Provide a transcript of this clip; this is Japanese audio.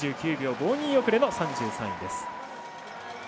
２９秒５２遅れの３３位です。